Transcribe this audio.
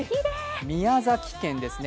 宮崎県ですね。